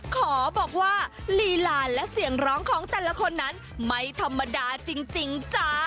ขอบอกว่าลีลาและเสียงร้องของแต่ละคนนั้นไม่ธรรมดาจริงจ้า